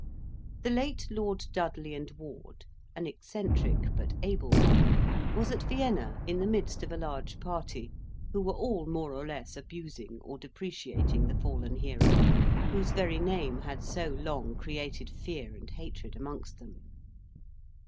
The late Lord Dudley and Ward, an eccentric, but able man, was at Vienna, in the midst of a large party, who were all more or less abusing or depreciating the fallen hero, whose very name had so long created fear and hatred amongst them.